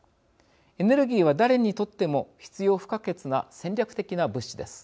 エネルギーは誰にとっても必要不可欠な戦略的な物資です。